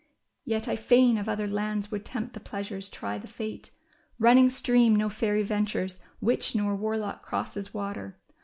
Yet I fain of other lands would tempt the pleasures, try the fate. Bunning stream no fairy ventures, witch nor warlock crosses water.